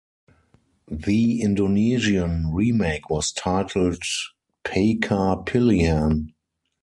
The Indonesian remake was titled "Pacar Pilihan".